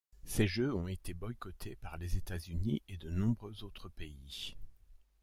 Ces jeux ont été boycottés par les États-Unis et de nombreux autres pays.